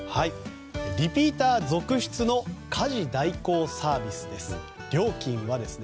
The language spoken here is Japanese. リピーター続出の家事代行サービスです。